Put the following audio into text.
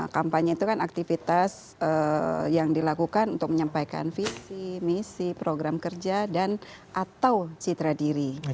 kampanye itu kan aktivitas yang dilakukan untuk menyampaikan visi misi program kerja dan atau citra diri